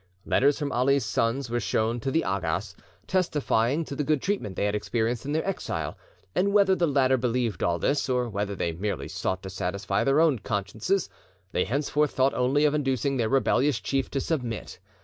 Letters from Ali's sons were shown to the Agas, testifying to the good treatment they had experienced in their exile; and whether the latter believed all this, or whether they merely sought to satisfy their own consciences, they henceforth thought only of inducing their rebellious chief to submit.